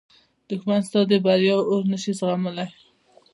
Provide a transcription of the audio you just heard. دښمن ستا د بریا اور نه شي زغملی